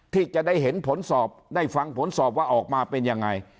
ที่จะได้เห็นผลสอบได้ฟังผลสอบว่าออกมาเป็นยังไง